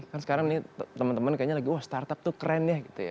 kan sekarang ini teman teman kayaknya lagi wah startup tuh keren ya gitu ya